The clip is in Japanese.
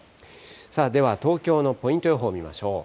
では東京のポイント予報見ましょう。